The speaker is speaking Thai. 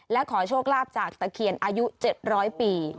และขอโชคลาภจากตะเคียนอายุ๗๐๐ปี